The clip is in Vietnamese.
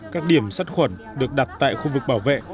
các điểm sát khuẩn được đặt tại khu vực bảo vệ